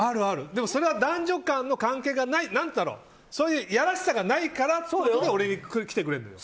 でもそれは男女間の関係がないそういう、いやらしさがないから俺に来てくれるのよ。